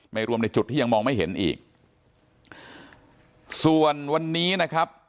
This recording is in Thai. รวมในจุดที่ยังมองไม่เห็นอีกส่วนวันนี้นะครับ